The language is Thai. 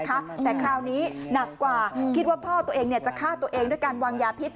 แต่คราวนี้หนักกว่าคิดว่าพ่อตัวเองเนี่ยจะฆ่าตัวเองด้วยการวางยาพิษ